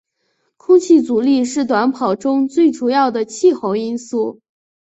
空气阻力是短跑中最主要的气候因素。